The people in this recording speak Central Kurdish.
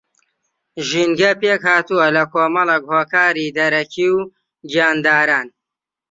ژینگە پێکھاتووە لە کۆمەڵێک ھۆکاری دەرەکی و گیانداران